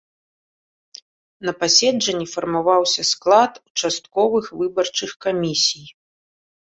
На паседжанні фармаваўся склад участковых выбарчых камісій.